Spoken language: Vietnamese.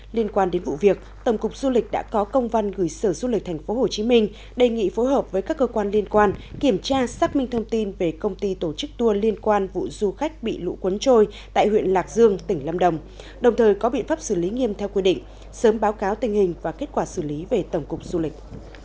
liên quan đến vụ việc tổng cục du lịch đã có công văn gửi sở du lịch tp hcm đề nghị phối hợp với các cơ quan liên quan kiểm tra xác minh thông tin về công ty tổ chức tour liên quan vụ du khách bị lũ cuốn trôi tại huyện lạc dương tỉnh lâm đồng đồng thời có biện pháp xử lý nghiêm theo quy định sớm báo cáo tình hình và kết quả xử lý về tổng cục du lịch